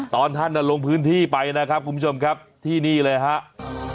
ตอนท่านลงพื้นที่ไปนะครับคุณผู้ชมครับที่นี่เลยครับ